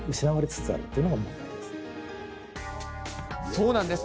そうなんです。